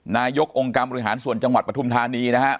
นายกองค์กรรมแบบส่วนปรธุมทาณี